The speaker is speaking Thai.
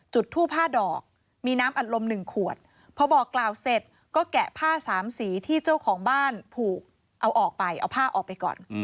ทูบผ้าดอกมีน้ำอัดลม๑ขวดพอบอกกล่าวเสร็จก็แกะผ้าสามสีที่เจ้าของบ้านผูกเอาออกไปเอาผ้าออกไปก่อน